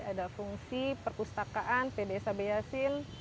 ada fungsi perpustakaan pd sabe yasin